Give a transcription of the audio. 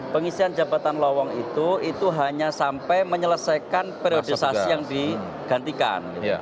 pengisian jabatan lowong itu itu hanya sampai menyelesaikan periodisasi yang digantikan